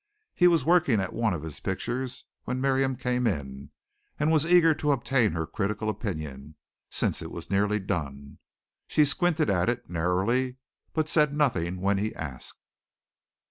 He was working at one of his pictures when Miriam came in and was eager to obtain her critical opinion, since it was nearly done. She squinted at it narrowly but said nothing when he asked.